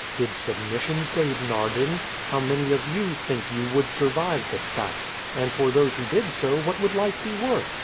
Did submission save Naarden? How many of you, think you, would survive the sack? and for those who did so, what would life be worth?